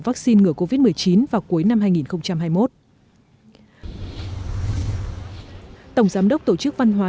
vaccine ngừa covid một mươi chín vào cuối năm hai nghìn hai mươi một tổng giám đốc tổ chức văn hóa